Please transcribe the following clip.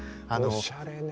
おしゃれね。